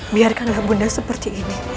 biarkanlah bunda seperti ini